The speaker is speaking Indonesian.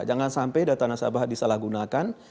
jangan sampai data nasabah disalahgunakan